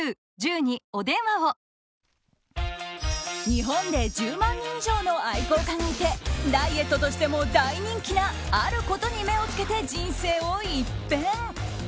日本で１０万人以上の愛好家がいてダイエットとしても大人気なあることに目をつけて人生を一変。